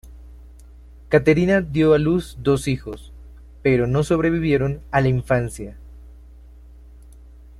Caterina dio a luz dos hijos, pero no sobrevivieron a la infancia.